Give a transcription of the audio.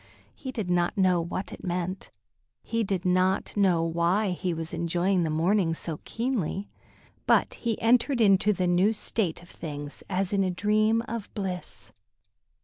He did not know what it meant; he did not know why he was enjoying the morning so keenly; but he entered into the new state of things as in a dream of bliss.